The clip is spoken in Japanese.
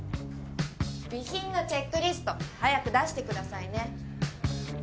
備品のチェックリスト早く出してくださいね。